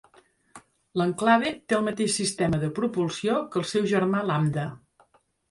L'Enclave té el mateix sistema de propulsió que el seu germà Lambda.